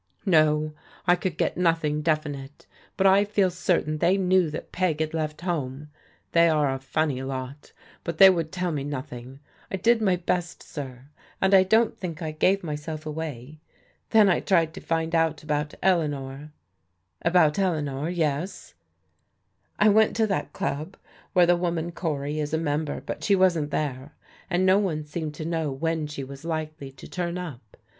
" No, I could get nothing definite, but I feel certain they knew that Peg had left home. They are a ftmny lot, but they would tell me nothing. I did my best, sir, and I don't think I gave myself away. Then I tried to find out about Eleanor." " About Eleanor — ^yes." "I went to that club where the woman Cory is a member, but she wasn't there, and no one seemed to know when she was likely to turn up.